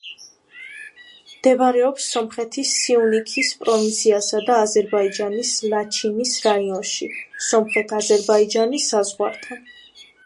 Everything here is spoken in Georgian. მდებარეობს სომხეთის სიუნიქის პროვინციასა და აზერბაიჯანის ლაჩინის რაიონში, სომხეთ-აზერბაიჯანის საზღვართან.